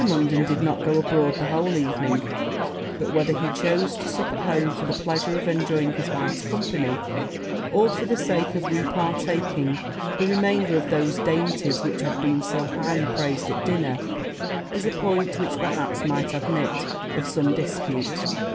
Munden did not go abroad the whole evening: but whether he chose to sup at home for the pleasure of enjoying his wife's company, or for the sake of partaking of the remainder of those dainties which had been so highly praised at dinner, is a point which, perhaps, might admit of some dispute.